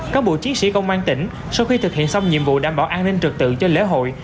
các bộ chiến sĩ công an tỉnh sau khi thực hiện xong nhiệm vụ đảm bảo an ninh trực tự cho lễ hội